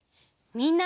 みんな！